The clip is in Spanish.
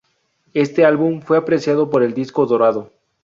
Este álbum fue apreciado por el disco dorado.